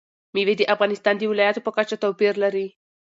مېوې د افغانستان د ولایاتو په کچه توپیر لري.